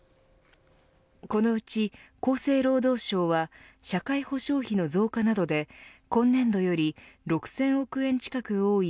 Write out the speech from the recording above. このうち厚生労働省は社会保障費の増加などで今年度より６０００億円近く多い